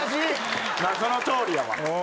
まあそのとおりやわ。